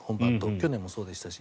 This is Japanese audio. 去年もそうでしたし。